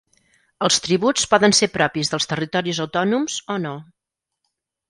Els tributs poden ser propis dels territoris autònoms o no.